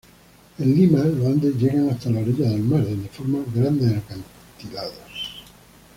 En Lima, los Andes llegan hasta la orilla del mar, donde forman grandes acantilados.